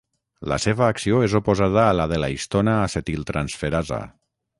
La seva acció és oposada a la de la histona acetiltransferasa.